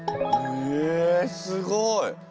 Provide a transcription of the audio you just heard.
へえすごい！